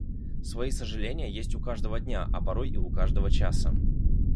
Свои сожаления есть у каждого дня, а порой и у каждого часа.